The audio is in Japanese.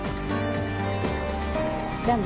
じゃあね。